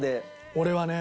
俺はね。